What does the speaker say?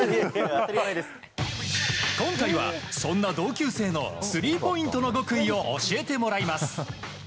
今回はそんな同級生のスリーポイントの極意を教えてもらいます。